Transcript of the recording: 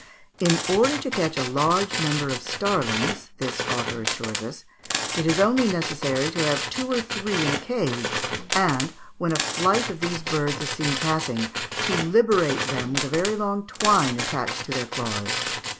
In order to catch a large number of starlings, this author assures us, it is only necessary to have two or three in a cage, and, when a flight of these birds is seen passing, to liberate them with a very long twine attached to their claws.